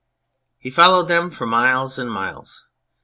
He followed them for miles and miles.